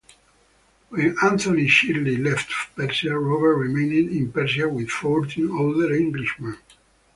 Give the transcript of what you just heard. When Anthony Shirley left Persia, Robert remained in Persia with fourteen other Englishmen.